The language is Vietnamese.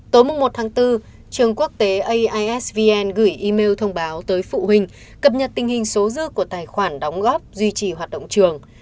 tối một tháng bốn trường quốc tế aisvn gửi email thông báo tới phụ huynh cập nhật tình hình số dư của tài khoản đóng góp duy trì hoạt động trường